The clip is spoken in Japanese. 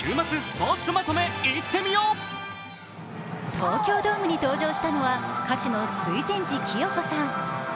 東京ドームに登場したのは歌手の水前寺清子さん。